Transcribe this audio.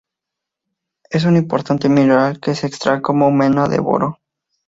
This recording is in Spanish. Es un importante mineral que se extrae como mena de boro.